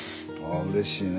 あうれしいね。